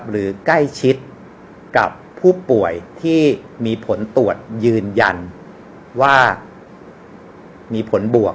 หรือใกล้ชิดกับผู้ป่วยที่มีผลตรวจยืนยันว่ามีผลบวก